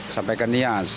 sampai ke nias